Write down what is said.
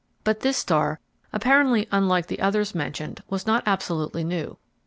But this star, apparently unlike the others mentioned, was not absolutely new.